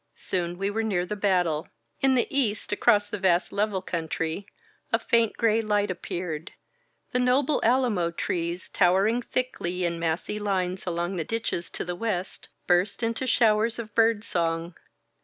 Soon we were near the battle. In the east, across the vast level country, a faint gray light appeared. The noble alamo trees, towering thickly in massy lines along the ditches to the west, burst into showers of bird song.